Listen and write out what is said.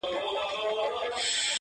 داده غاړي تعويزونه زما بدن خوري؛